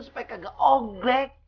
supaya gak ogrek